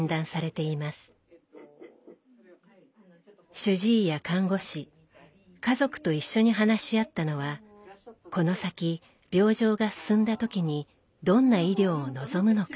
主治医や看護師家族と一緒に話し合ったのはこの先病状が進んだ時にどんな医療を望むのか。